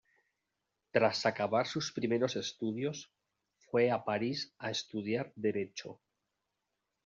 Tras acabar sus primeros estudios, fue a París a estudiar derecho.